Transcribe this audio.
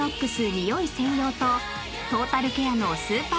ニオイ専用とトータルケアのスーパーＮＡＮＯＸ